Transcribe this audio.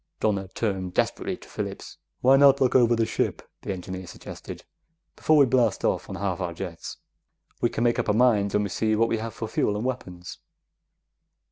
Donna turned desperately to Phillips. "Why not look over the ship," the engineer suggested, "before we blast off on half our jets? We can make up our minds when we see what we have for fuel and weapons."